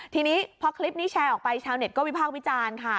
ทีนี้พอคลิปนี้แชร์ออกไปชาวเน็ตก็วิพากษ์วิจารณ์ค่ะ